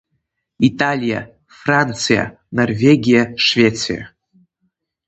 Италиа, Франциа, Норвегиа, Швециа.